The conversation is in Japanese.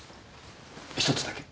１つだけ。